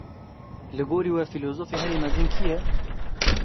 Li gorî we fîlozofê herî mezin kî ye?